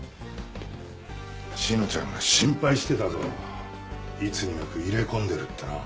志乃ちゃんが心配してたぞいつになく入れ込んでるってな。